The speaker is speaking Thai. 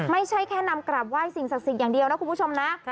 ไม่ใช่แค่นำกราบไหว้สิ่งศักดิ์สิทธิ์อย่างเดียวนะคุณผู้ชมนะ